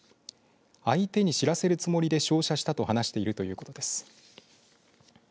相手に知らせるつもりで照射したと話しているということです。